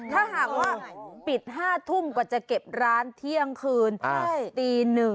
ถ้าหากว่าปิด๕ทุ่มกว่าจะเก็บร้านเที่ยงคืนตี๑